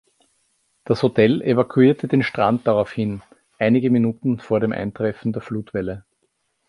Das Hotel evakuierte den Strand daraufhin, einige Minuten vor dem Eintreffen der Flutwelle.